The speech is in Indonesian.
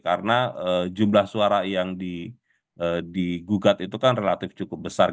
karena jumlah suara yang di gugat itu kan relatif cukup besar